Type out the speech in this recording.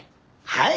はい！